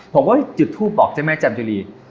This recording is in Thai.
ผมก็จุดทูปบอกเจ้าแม่จันจุรี